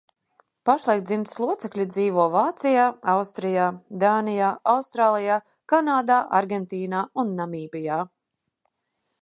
Pašlaik dzimtas locekļi dzīvo Vācijā, Austrijā, Danijā, Austrālijā, Kanādā, Argentīnā un Namībijā.